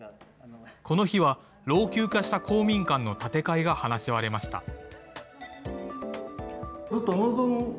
この日は、老朽化した公民館の建て替えが話し合われました。